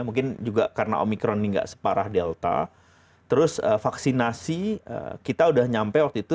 mungkin juga karena omikron ini nggak separah delta terus vaksinasi kita udah nyampe waktu itu